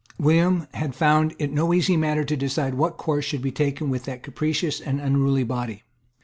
William had found it no easy matter to decide what course should be taken with that capricious and unruly body.